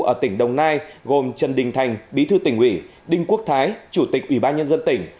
ở tỉnh đồng nai gồm trần đình thành bí thư tỉnh ủy đinh quốc thái chủ tịch ủy ban nhân dân tỉnh